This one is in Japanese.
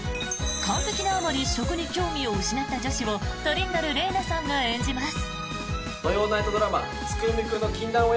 完璧なあまり食に興味を失った女子をトリンドル玲奈さんが演じます。